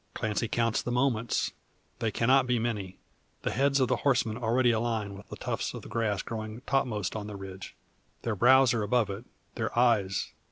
Clancy counts the moments. They cannot be many. The heads of the horsemen already align with the tufts of grass growing topmost on the ridge. Their brows are above it; their eyes.